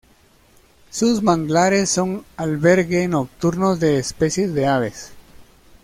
Sus manglares son albergue nocturno de especies de aves.